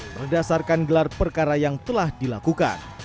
berdasarkan gelar perkara yang telah dilakukan